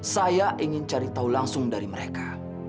saya ingin cari tahu langsung dari mereka